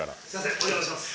お邪魔します。